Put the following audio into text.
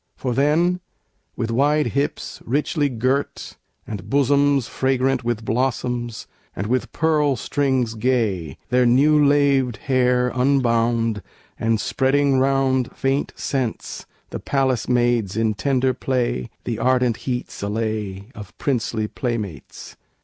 For then, with wide hips richly girt, and bosoms Fragrant with blossoms, and with pearl strings gay, Their new laved hair unbound, and spreading round Faint scents, the palace maids in tender play The ardent heats allay Of princely playmates.